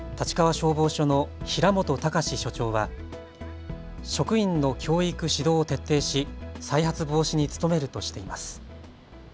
消防署の平本隆司署長は職員の教育、指導を徹底し再発防止に努めるとしています。